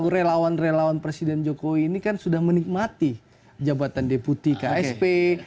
relawan relawan presiden jokowi ini kan sudah menikmati jabatan deputi ksp